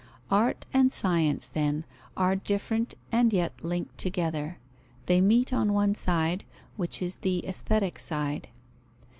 Art and Science, then, are different and yet linked together; they meet on one side, which is the aesthetic side.